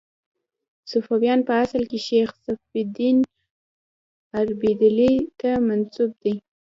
صفویان په اصل کې شیخ صفي الدین اردبیلي ته منسوب دي.